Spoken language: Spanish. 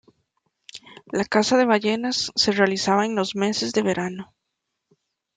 La caza de ballenas se realizaba en los meses de verano.